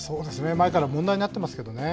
前から問題になってますよね。